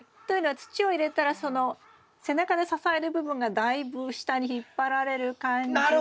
というのは土を入れたらその背中で支える部分がだいぶ下に引っ張られる感じが。